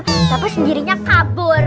tetapi sendirinya kabur